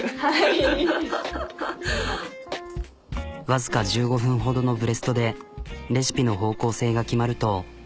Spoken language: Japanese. わずか１５分ほどのブレストでレシピの方向性が決まると。